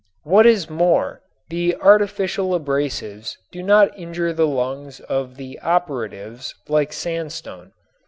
What is more, the artificial abrasives do not injure the lungs of the operatives like sandstone.